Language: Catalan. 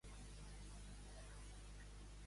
El nou d'octubre na Júlia i na Carla iran a Aitona.